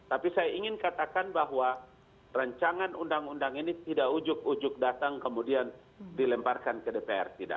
tapi saya ingin katakan bahwa rancangan undang undang ini tidak ujuk ujuk datang kemudian dilemparkan ke dpr